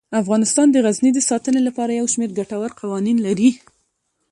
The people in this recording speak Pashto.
افغانستان د غزني د ساتنې لپاره یو شمیر ګټور قوانین لري.